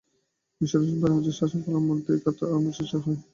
মিসরে রোমরাজ্যের শাসনকালেও মধ্যে মধ্যে ঐ খাত মুক্ত রাখবার চেষ্টা হয়।